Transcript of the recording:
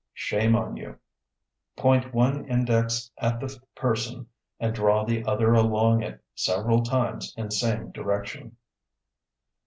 Shame on you (Point one index at the person and draw the other along it several times in same direction).